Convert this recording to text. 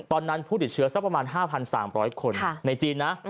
ตอนนั้นผู้ติดเชื้อประมาณ๕๓๐๐คนในจีน